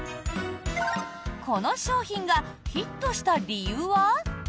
この商品がヒットした理由は？